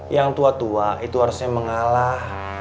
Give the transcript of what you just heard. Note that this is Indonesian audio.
yang tua tua itu harusnya mengalah